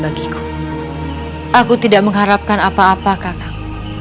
aku tidak mengharapkan apa apa kakak